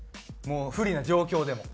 もう不利な状況でも。